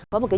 có một cái